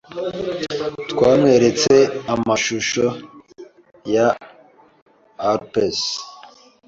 Twamweretse amashusho ya Alpes.